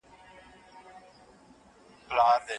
د کوم کتاب نوم واورئ، مګر یوازې پر نوم یې تکیه مه کوئ.